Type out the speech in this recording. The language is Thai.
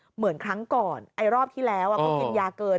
เหมือนครั้งก่อนไอ้รอบที่แล้วเขากินยาเกิน